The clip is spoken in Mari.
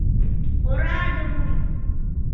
— Ораде вуй!